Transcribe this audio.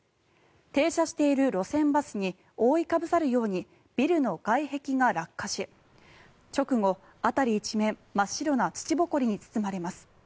停車している路線バスに覆いかぶさるようにビルの外壁が落下し直後、辺り一面真っ白な土ぼこりに包まれます。